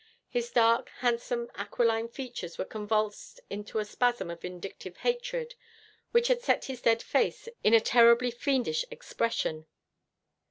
His dark, handsome, aquiline features were convulsed into a spasm of vindictive hatred, which had set his dead face in a terribly fiendish expression.